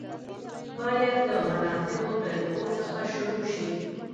باید له مناسبو طریقو څخه شروع شي.